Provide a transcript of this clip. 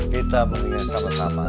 kita belinya sama sama